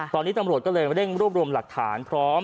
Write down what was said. ตอนนี้ตำรวจก็เลยเร่งรวบรวมหลักฐานพร้อม